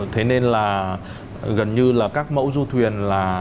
thế nên là gần như là các mẫu du thuyền là